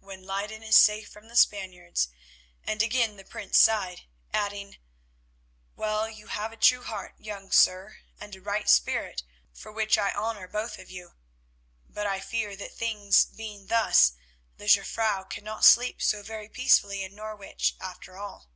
"When Leyden is safe from the Spaniards——" and again the Prince sighed, adding, "well, you have a true heart, young sir, and a right spirit, for which I honour both of you. But I fear that things being thus the Jufvrouw cannot sleep so very peacefully in Norwich after all."